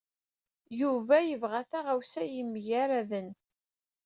Yuba yebɣa taɣawsa yemgerraden.